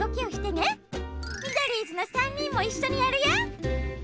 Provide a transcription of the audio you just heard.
ミドリーズの３にんもいっしょにやるよ！